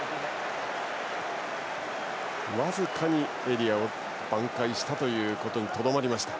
僅かにエリアを挽回したことにとどまりました。